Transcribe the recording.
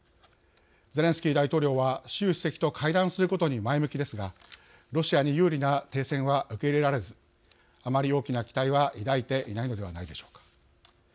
ゼレンスキー大統領は習主席と会談することに前向きですがロシアに有利な停戦は受け入れられずあまり大きな期待は抱いていないのではないでしょうか。